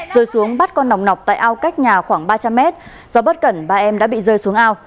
rồi xuống bắt con nòng nọc tại ao cách nhà khoảng ba trăm linh mét do bất cẩn ba em đã bị rơi xuống ao